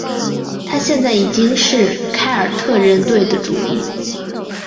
他现在已经是凯尔特人队的主力。